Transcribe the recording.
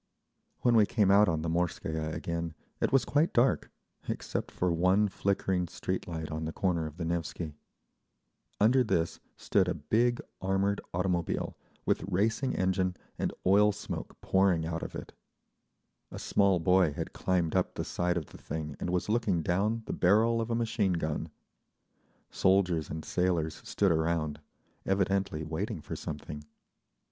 When we came out on the Morskaya again it was quite dark, except for one flickering street light on the corner of the Nevsky. Under this stood a big armored automobile, with racing engine and oil smoke pouring out of it. A small boy had climbed up the side of the thing and was looking down the barrel of a machine gun. Soldiers and sailors stood around, evidently waiting for something.